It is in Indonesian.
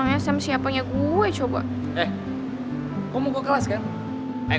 nah gue juga pengen dibalik batu